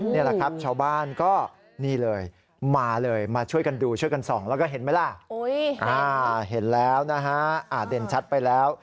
นี่แหละครับชาวบ้านก็นี่เลยมาเลยมาช่วยกันดูช่วยกันส่องแล้วก็เห็นไหมล่ะเห็นแล้วนะฮะเด่นชัดไปแล้ว